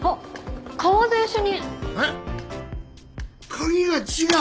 鍵が違う。